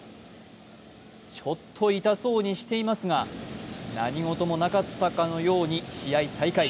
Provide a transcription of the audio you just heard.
ちょっと痛そうにしていますが何事もなかったかのように試合再開。